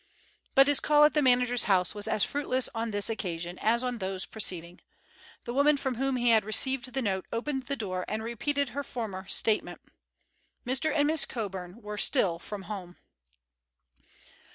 But his call at the manager's house was as fruitless on this occasion as on those preceding. The woman from whom he had received the note opened the door and repeated her former statement. Mr. and Miss Coburn were still from home.